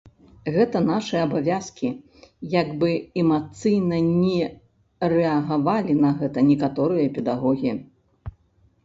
Гэта нашы абавязкі, як бы эмацыйна ні рэагавалі на гэта некаторыя педагогі.